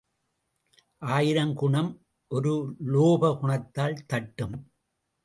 ஆயிரம் குணம் ஒரு லோப குணத்தால் தட்டும்.